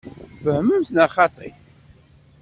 Tfehmemt neɣ xaṭi?